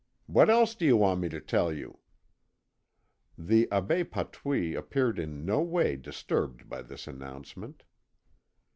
What else do you want me to tell you?" The Abbé Patouille appeared in no way disturbed by this announcement.